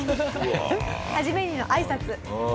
「初めに」のあいさつ。